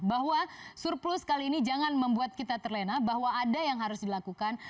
bahwa surplus kali ini jangan membuat kita terlena bahwa ada yang harus dilakukan